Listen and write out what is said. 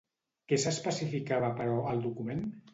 Què s'especificava, però, al document?